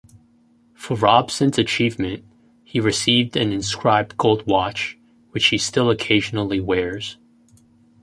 For Robson's achievement, he received an inscribed gold watch, which he still occasionally wears.